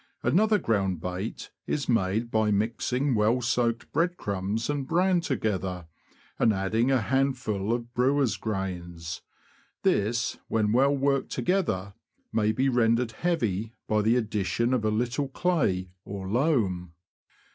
Another ground bait is made by mixing well soaked breadcrumbs and bran together, and adding a handful of brewers' grains ; this, when well worked together, may be rendered heavy by the addition of a little clay or loam.